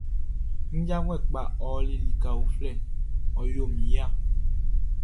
Mi janvuɛ kpaʼn ɔli lika uflɛ, ɔ yo min ya.